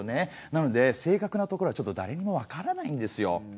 なので正確なところはちょっとだれにもわからないんですよ。